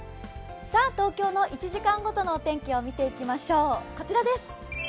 東京の１時間ごとのお天気を見ていきましょう、こちらです。